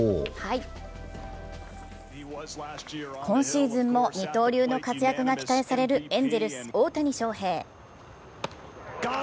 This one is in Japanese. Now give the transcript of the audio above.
今シーズンも二刀流の活躍が期待されるエンゼルス・大谷翔平。